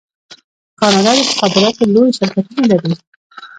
کاناډا د مخابراتو لوی شرکتونه لري.